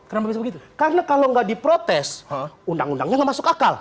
kenapa bisa begitu karena kalau nggak diprotes undang undangnya nggak masuk akal